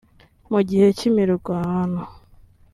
Mu gihe cy’imirwano